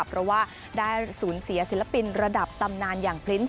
เพราะว่าได้สูญเสียศิลปินระดับตำนานอย่างพรินส์